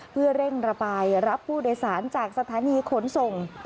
เพื่อเร่งระบายรับผู้โดยสารจากสถานีขนส่ง